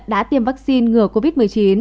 đã tiêm vaccine ngừa covid một mươi chín